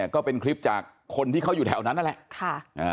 ก็เป็นคลิปจากคนที่เขาอยู่แถวนั้นนั่นแหละ